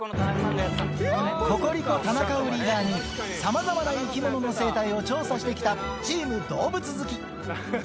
ココリコ・田中をリーダーに、さまざまな生き物の生態を調査してきたチーム動物好き。